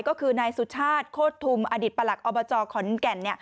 ก็คือนายสุชาติโคตรทุมอดีตประหลักอบจขอนแก่น